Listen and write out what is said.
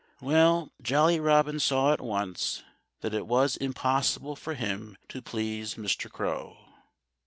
Well, Jolly Robin saw at once that it was impossible for him to please Mr. Crow.